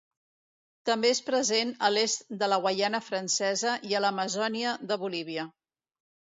També és present a l'est de la Guaiana Francesa i a l'Amazònia de Bolívia.